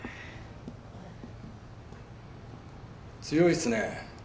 強いっすね。